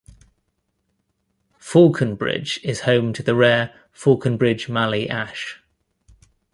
Faulconbridge is home to the rare Faulconbridge Mallee Ash.